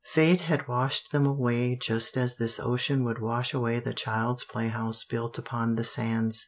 Fate had washed them away just as this ocean would wash away the child's playhouse built upon the sands.